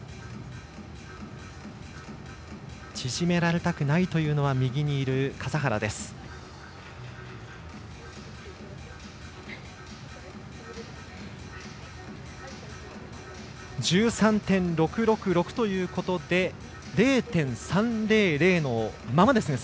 縮められたくないというのは笠原です。１３．６６６ということで０．３００のままですね。